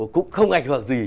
cũng không ảnh hưởng gì